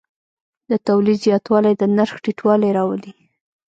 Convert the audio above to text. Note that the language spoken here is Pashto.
د تولید زیاتوالی د نرخ ټیټوالی راولي.